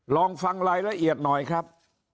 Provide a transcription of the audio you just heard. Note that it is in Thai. ลองฟังรายละเอียดหน่อยครับ